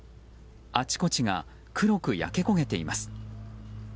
あちこちが黒く焼け焦げています。